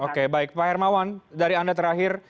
oke baik pak hermawan dari anda terakhir